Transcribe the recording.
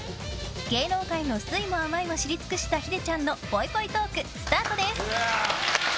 芸能界の酸いも甘いも知り尽くしたヒデちゃんのぽいぽいトークスタートです。